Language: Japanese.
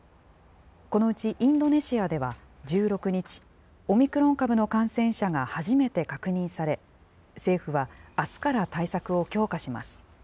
このうちインドネシアでは１６日、オミクロン株の感染者が初めて確認され、政府はあすから対策を強化します。